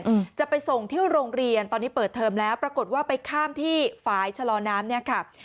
อืมจะไปส่งที่โรงเรียนตอนนี้เปิดเทอมแล้วปรากฏว่าไปข้ามที่ฝ่ายชะลอน้ำเนี้ยค่ะ